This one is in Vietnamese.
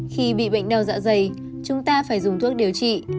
khi bị bệnh đau dạ dày chúng ta phải dùng thuốc điều trị